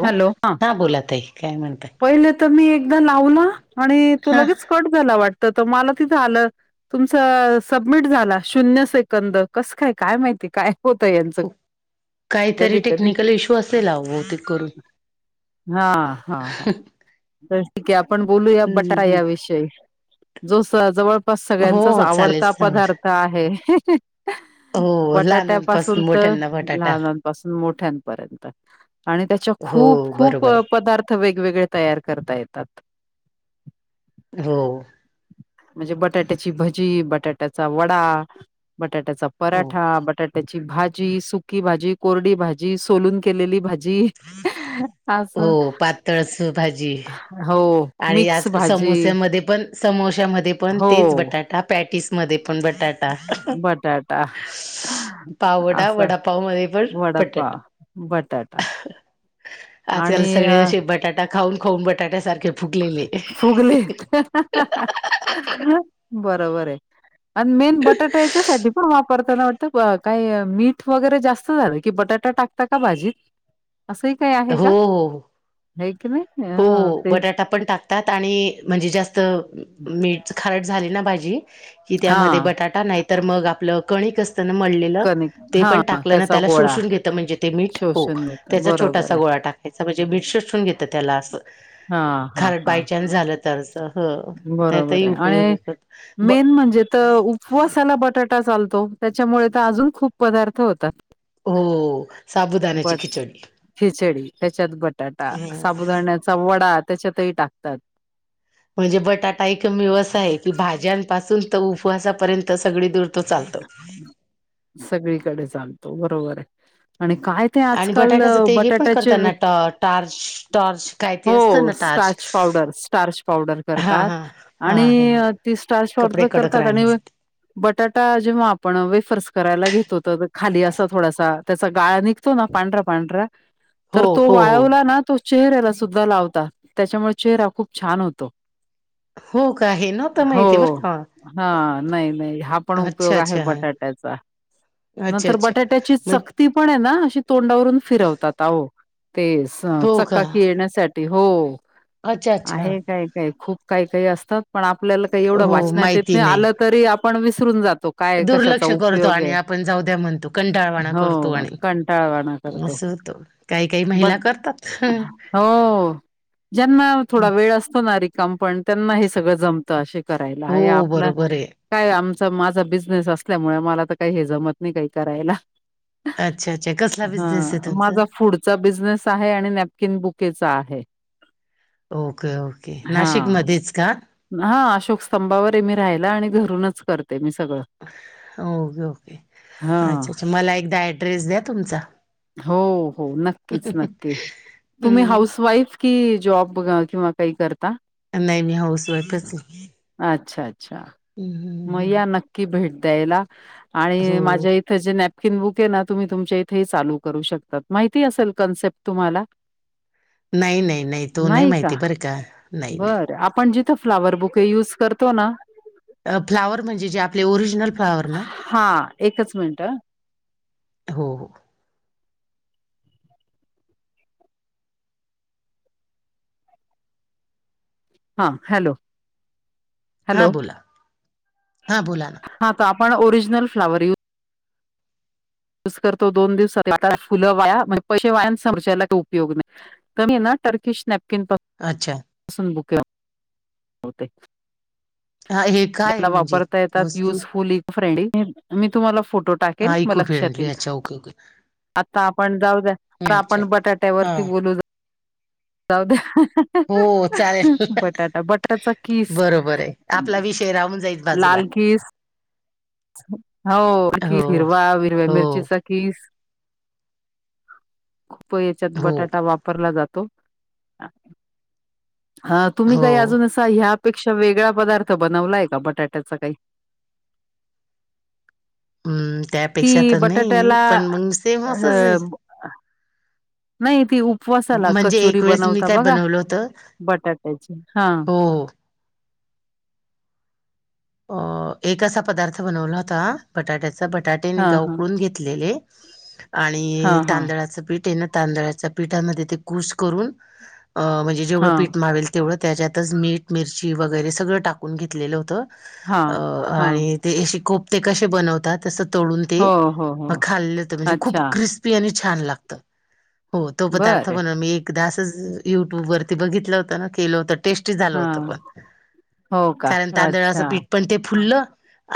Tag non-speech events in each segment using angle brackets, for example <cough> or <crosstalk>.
हो हा बोला ताई काय म्हणतय? पहिले तर मी एकदा लावला आणि तो हा लगेच कट झाला वाटत तर मला तिथं झालं. तुमचं सबमिट झाला शून्य सेकंद कसं काय काय माहिती काय होतंय. काहीतरी टेक्निकल इश्यू असेल हवो ते करून हा हा हा. तर ठीक आहे आपण बोलू या बटारा हम्म या विषयी जोस जवळ. हो सगळ्यांचाच हो चालेल आवडता सांगेल पदार्थ आहे. हो बटाट्या पाासून लहानांपासून तर मोठ्यांना बटाटा लहान मोठ्यांपर्यंत आणि त्याच्या हो खूप खूप बरोबर आहे पदार्थ वेगवेगळ्या तयार करता येतात. हो. म्हणजे बटाट्याची भजी बटाट्याचा वडा बटाट्याचा हो पराठा बटाट्याची भाजी सुकी भाजी कोरडी भाजी सोलून केलेली भाजी. जी अस. तळस भाजी. आणि मिक्स आज भाजी समोसमध्ये पण समोश्यामध्ये पण हो तेच बटाटे. हा पॅटीस मध्ये पण बटाटा. बटाटा पावडा वडापाव मध्ये पण पटेट. बटाट. आजकाल अ सगळे जे बटाटा खाऊन खाऊन बटाट्या सारखे फुगले बरोबर आहे. आणि मेन बटाट्या याच्यासाठी पण ताना वाटत का मीठ वगैरे जास्त झालं की बटाटा टाकता का भाजी. असंही काही आहे का हो हो नाही की नाही. हं हो ते बटाटा पण टाकतात आणि म्हणजे जास्त मीठ खरड झाली ना भाजी. कि हा त्यामध्ये बटाटा नाही तर मग आपलं कणिक असतं ना मळलेलं कनिक ते हा पण टाकलं ना त्याचा त्याला गोळा शोषून घेत. म्हणजे ते मीठ हो शोषून घेतात त्याचा बरोबर छोटासा आहे. गोळा टाकायचा म्हणजे मीठ शोषून घेत. त्याला अस हा हा खारट हा बाय चान्स झाल तर आस हो बरोबर त्यातही आहे आणि उपयोगी करत. व मेन म्हणजे तर उपवासाला बटाटा चालतो त्याच्यामुळे तर अजून खूप पदार्थ होतात. हो साबुदाण्याची बट खिचडी खिचडी त्याच्यात बटाटा अस. हं, साबुदाण्याचा वडा त्याच्यातही टाकतात. म्हणजे बटाटा एकमेव असा आहे की भाज्यांपासून तर उपवासापर्यंत सगळी दूरतो चालतो. सगळीकडे चालतो बरोबर आहे आणि काय आणि आजकाल बटाट्याचं ते हे पण बटाट्या करताना ट टार्च टॉर्च काय ते असतं हो ना टार्च स्टार्च पावडर स्टार्च पावडर हा करतात हा हा आणि हा ती स्टार्च पावडर कपडे पण कडक करतात आणि राहण्यासाठी बटाटा जेव्हा आपण वेफर्स करायला घेतो तर खाली असा थोडासा त्याचा गाळ निघ तो ना पांढरा पांढरा हो तर तो हो हो वाळवला ना. तो चेहऱ्याला सुद्धा लावता. त्याच्यामुळे चेहरा खूप छान होतो. हो का हे नव्हतं हो माहिती बरं का हा नाही नाही हा अच्छा उपयोग आहे अच्छा हा बटाट्याचा. अच्छा नंतर अच्छा बटाट्याची मग चकती पण आहे ना अशी तोंडावरून फिरवतात आहो. ते अस हो का चकाकि येण्यासाठी हो. अच्छा अच्छा आहे काय काय खूप काय काही असतात. पण आपल्याला काही एवढं हो वाचनात येत माहिती नाही. आलं तरी आपण विसरून जातो. काय कशाचा दुर्लक्ष करतो उपयोग आणि आहे. आपण जाऊ द्या म्हणतो कंटाळवाणा करतो हो आणि कंटाळवाना करतो असं होतं काही काही बट महिला करतात हं. हो. ज्यांना थोडा वेळ असतो ना रिकाम पण त्यांना हे सगळं जम त असे करायला हे हो आपलं बरोबर आहे काय आमचा माझा बिझनेस असल्यामुळे मला तर काही हे जमत नाही काही करायला. अच्छा अच्छा कसला हा बिझनेस आहे तुमचा माझा फूड चा बिझनेस आहे आणि नॅपकिन बुकेचा आहे. ओके ओके हा नाशिक मध्येच का? हा अशोक स्तंभावर आहे मी राहिला आणि घरूनच करते मी सगळं. ओके ओके हा अच्छा अच्छा मला एकदा ऍड्रेस द्या तुमचा हो हो नक्कीच नक्की तुम्ही हाऊस हम्म वाईफ कि जॉब किंवा काही करता? नाही मी हाऊस वाईफच आहे. अच्छा अच्छा हम्म, हम्म. मग हम्म. या नक्की भेट द्यायला आणि हो माझ्या इ थ जे नॅपकिन बुके ना तुम्ही तुमच्या इथेही चालू करू शकतात माहिती असेल कन्सेप्ट तुम्हाला. <inaudible> नाही नाही नाही तो नाही माहिती बरं का. नाही नाही बर आपण जिथं फ्लावर बुके युज करतो ना. फ्लावर म्हणजे जे आपले ओरिजिनल फ्लोवर ना? हा एकच मिनट हो हो हां हॅलो हां हॅलो बोला हां बोला ना हा आपण ओरीजनल फ्लावर यू ज करतो दोन दिवस आता फुलं वाया म्हणजे पैसे वायान समजयला काही उपयोग नाही. कधी ना टर्किश नॅपकिन पण अच्छा. <inaudible> बुक्य होते. हा हे काय आहे त्यांना म्हणजे वापरता येतात वस्तू युजफुली फ्रेंडली मी तुम्हाला फोटो टाकेल हा मग इको लक्षात फ्रेंडली ईल. अच्छा ओके ओके आता आपण जाऊद्या आ अच्छा आपण हा बटाट्यावरती बोलू जा जाऊद्या. हो चालेल <unintelligible> किस बरोबर ये. आपला विषय राहून जाईल बाजूला. लाल किस हो की हिरवा हिरव्या हो मिरचीचा किस खूप याच्यात हो बटाटा वाप वापरला जातो हा तुम्ही काय हो अजून अस ह्यापेक्षा वेगळा पदार्थ बनवलाय का बटाट्याचा काही? हम्म त्यापेक्षा ती तर नाही बटाट्याला पण मग सेम असच ये. अ नाही ती उपवासाला म्हणजे कचोरी एक वेळेस मी बनवता काय बघा बनवलं होतं बटाट्याची हा. हो, अ एक असा पदार्थ बनवला होता बटाट्याचा बटाटेने हां, हां. गऊकुन घेतलेले आणि हां, हां, तांदळाचं पीठ आहे ना तांदळाच्या पीठामध्ये ते कूश करून अ म्हणजे जे जेवढं हां, पीठ म्हावेल तेवढं त्याच्यातच मीठ मिरची वगैरे सगळं टाकून घेतलेलं होतं. अ हां, हां. आणि ते येशे कोपते कसे बनवतात. तस तोडून ते हो, हो, म हो. खाल्ल होत म्हणजे खूप अच्छा क्रिस्पी आणि छान लागत. हो तो पदार्थ बरं. बन मी एकदा असच युट्यूब वरती बघितलं होतं ना केलं होतं टेस्टी झालं होत हां, पण हो का? कारण तांदळाचं अच्छा. पीठ पण ते फुललं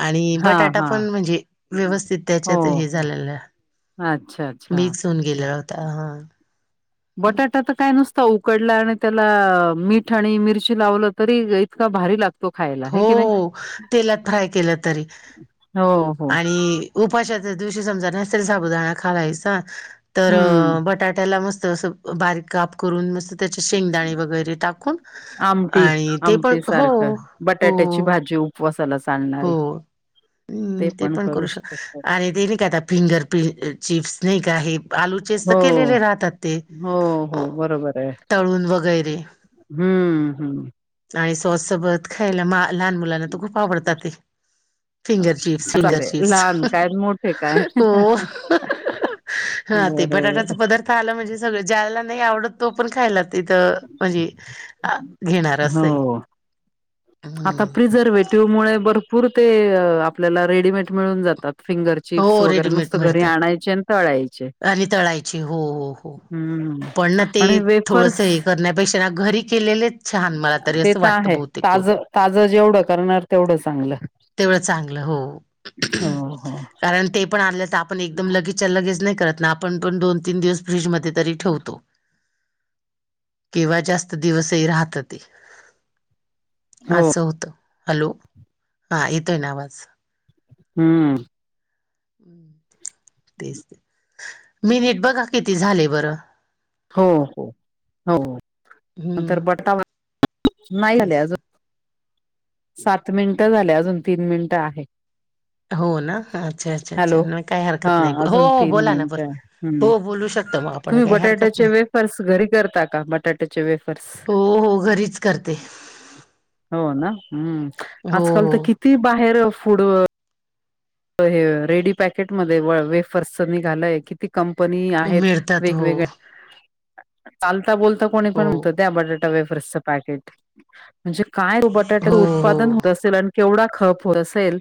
आणि हां, बटाटा हां. पण म्हणजे व्यवस्थित हो, त्याच्यात हे हो. झालेलं अच्छा, अच्छा. मिक्स होऊन गेल होत हा. बटाटा तर काय नुस उकडला आणि त्याला मीठ आणि मिरची लावलं तरी इतका भारी लाग हो तेलात फ्राय केलं तरी हो, हो. आणि उपाशाच्या दिवशी समजा नसतरी साबुदाणा खालायचा तर हं. बटाट्याला मस्त अस बारीक काप करून मस्त त्याचे शेंगदाणे वगैरे टाकून आमटी, आणि ते पण आमटी हो. सारखं बटाट्याची हो भाजीउ. उपवासाला चाल हो हम्म ते पण करू शक आणि ते नाही का आता फिंगर पील अ चिप्स नाही का हे. आलूचेच तर हो. केलेले राहतात ते हो, अ हो बरोबर आहे. तळून वगैरे. हम्म हम्म. आणि सॉससोबत खायला लहान मुलांना तर खूप आवडतात ते. फिंगर चिप्स फिंगर चालेल चिप्स लहान काय मोठे काय हो. <unintelligible> हा ते बरोबर बटाट्याचा पदार्थ आला म्हणजे सगळ ज्याला नाही आवडत तो पण खायला तिथं म्हणजे अ घेणार असये. हो. आता प्रिझर्वेटिव्ह मुळे भरपूर ते आपल्याला रेडीमेड मिळून जातात फिंगर चिप्स हो वगैरे रेडीमेड नुसतं घरी मिळत आणायचे आणि तळायचे आणि तळायची हो हो हो. हम्म पण ना ते आणि वेफर्स थोडस हे करण्यापेक्षा ना घरी केलेलेच छान मला त ते तर आहे ताज- ताज जेवढं करणार तेवढं चांगलं. तेवढं चांगलं हो हो, हो, कारण ते पण आणल तर आपण एकदम ल तीच लगेच नाय करत ना आपण पण दोन तीन दिवस फ्रीज मधी तरी ठेवतो. किंवा जास्त दिवसही राहत ते हो असं होतं हॅलो हा येतोय ना आवाज हम्म हं तेच ते मिनिट बघा किती झाले बरं? हो हो हो नंतर हम्म बटा नाय झाले तेच. अजून सात मिनिट झाले अजून तीन मिनिटं आहे. हो ना अच्छा अच्छा अच्छा हॅलो नाय काय हा हरकत नाही हो अजून हो तीन बोला ना बोल मिनिटं आहे हम्म तुम्ही बटाट्याचे नाही वेफर्स घरी करता का बटाट्याचे वेफ हो हो घरीच करते. हो ना हम्म हो आजकाल त किती बाहेर फूड हे रेडी पॅकेट मध्ये वे वेफर्सच निघालंय किती कंपनी हो आहेत मिळतात हो वेगवेगळ्या चालता बोलता कोणी पण हो म्हणत घ्या बटाटा वेफर्सचं पकेट म्हणजे काय बटाट हो हो उत्पादन होत असेल आणं केवढा खप असेल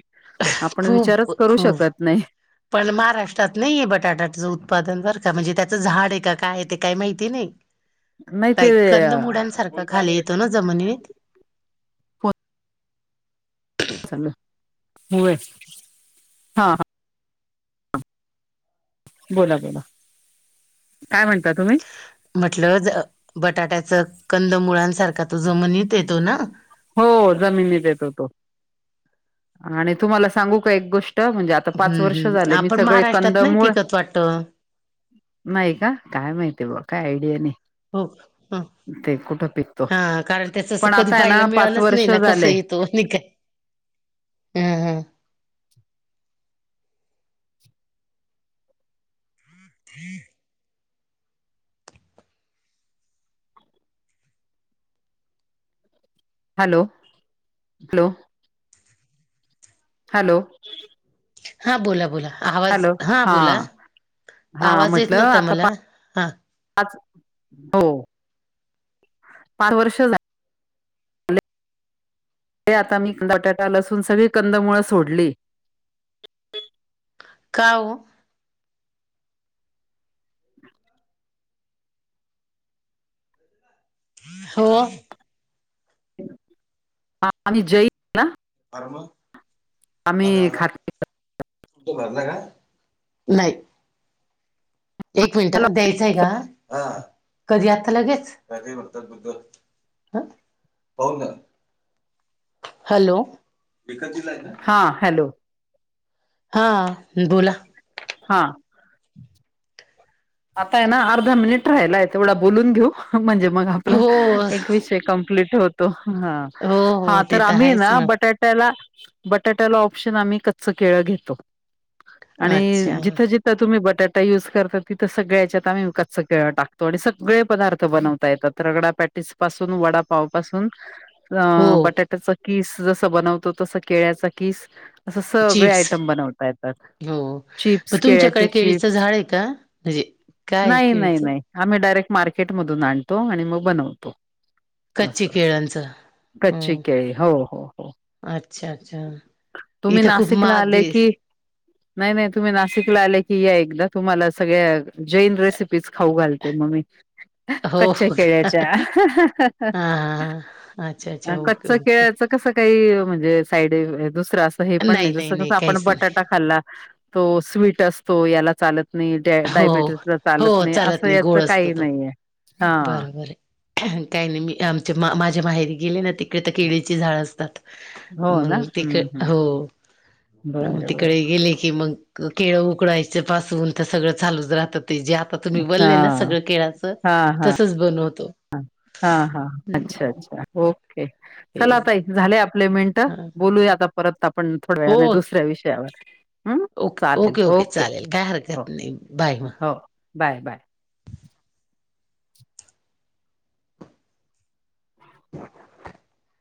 आपण खूप विचारच करू खूप शकत नाय. पण महाराष्ट्रात नाहीये बटाट्याचं उत्पादन बरका म्हणजे त्याचं झाड ये का काय ते काय माहिती नाय. नाही ते काय कंद अ, फोन मुड्यांसारखं खाली येतो ना जमिनीत चल होय हा हा बोला बोला काय म्हणता तुम्ही म्हटलं ज अ बटाट्याच कंद मुळ्यानंसारखा तो जमनीत येतो ना हो जमिनीत येतो तो आणि तुम्हाला सांगू का एक गोष्ट म्हणजे आत आता पाच हम्म वर्ष हम्म झाले मी आपण सगळे महाराष्ट्रात नाही कंदमूळ पिकत वाटत नाही का काय माहिती बुआ काय आयडिया नाही. हो ह ते कुठं पिकतो हा कारण त्याच पण कधी आता आहे पायला ना पाच मिळालंच नाय वर्ष ना झाले कसत तो नय का ह ह हॅलो, हॅलो हॅलो हां बोला बोला आवाज हॅलो हां हा बोला हा आवाज येत म्हटलं नव्हता आता मला हां पाच हो पाच वर्ष झा ते आता मी बटाटा लसून सगळी कंदमुळ सोडली. का ओ? हो. आणि ज <inaudible> आम्ही खात तो भरला का नाही. एक मिनिट द्यायचाय का? <unintelligible> कधी आता लगेच कधी उत्तर बुधवार पाहू नं हं हॅलो हा हॅलो हा बोला हा आता ये ना अर्धा मिनिट राहिलाय तेवढा बोलून घेऊ म्हणजे मग हो आपलं एक विषय कम कम्प्लीट होतो हा हो हा हो ते तर आम्ही ये आहेच ना मग बटाट टयाला बटाट्याला ऑप्शन आम्ही कच्च केळ घेतो. आणि अच्छा जिथं जिथं तुम्ही बटाटा युज करता तिथं सगळ्याच्यात आम्ही उच सगळ टाकतो आणि सगळे पदार्थ बनवता येतात रगडा पॅटीस. पासून वडापाव पासून. अ हो बटाट्याचा कीस जसं बनवतो तसं केळ्याचा कीस. असं सगळे चिप्स आयटम बनवता येतात हो मग चिप्स केळ्याचे तुमच्याकडे केळीचं चिप्स. झाड आहे का? काय आहे नाही नाही केळीचं नाही आम्ही डायरेक्ट मार्केट मधून आणतो आणि मग बनवतो. कच्चे असं केळांचं. कच्ची हम्म केळी हो हो हो. अच्छा अच्छा! तुम्ही इथं खूप नाशिकला महाग आले दे की नाही नाही तुम्ही नाशिकला आले की या एकदा तुम्हाला. सगळ्या जैन रेसिपीज खाऊ घालते मगमी. हो कच्च्या हो का हा केळ्याच्या. हा अच्छा अच्छा ओके कच्च ओके. केळ्याचं कसं काही म्हणजे साईड दुसरं असं हे पण नाही जसं कसं आपण बटाटा खाल्ला. तो स्वीट असतो याला चालत. नाही हो डायबेटीस हो चालत नाही असं गोड याच असतो काही तो नाहीे. बरोबर आहे काही नाही मी आमचे मा माझ्या माहेरी गेले ना ते. तिकडे तर केळीची झाड असतात हो ना मग तिकडे हं हं हो. बरं बरं तिकडे गेले की मग. केळ उकडायच्या पासून ते सगळं चालूच राहतात ते जे. तर तुम्ही वलले ना हां. सगळं केळाच तसंच बनवतो. हा हा अच्छा अच्छा ओके ते चला आता इ झाले आपलेमेंट. बोलूया आता परत आपण थोड्या वेळा हो नाही दुसऱ्या विषयावर. ह ओके चालेल ओके चालेल काय हो हरकत नाही बाय मग हो बाय बाय. <inaudible>